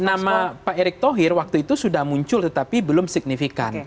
nama pak erick thohir waktu itu sudah muncul tetapi belum signifikan